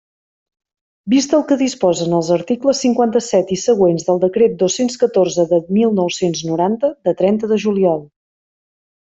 Vist el que disposen els articles cinquanta-set i següents del Decret dos-cents catorze de mil nou-cents noranta, de trenta de juliol.